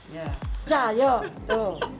ya pecah ya ya tuh